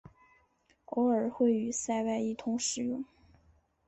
偶尔会与塞外一同使用。